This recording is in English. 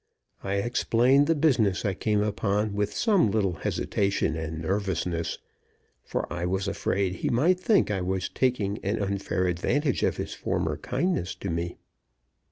I explained the business I came upon with some little hesitation and nervousness, for I was afraid he might think I was taking an unfair advantage of his former kindness to me.